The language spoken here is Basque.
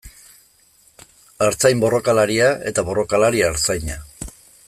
Artzain borrokalaria eta borrokalari artzaina.